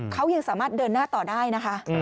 เขายังสามารถเดินหน้าต่อได้นะคะ